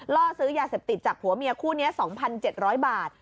ล่อซื้อยาเสพติดจากผัวเมียคู่นี้๒๗๐๐บาท